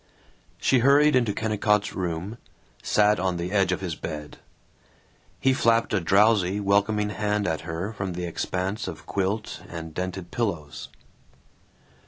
She hurried into Kennicott's room, sat on the edge of his bed. He flapped a drowsy welcoming hand at her from the expanse of quilt and dented pillows.